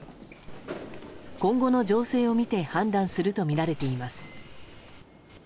今後の情勢を見て判断するとみられています。